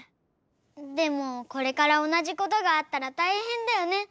でもこれからおなじことがあったらたいへんだよね。